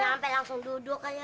ngampe langsung duduk aja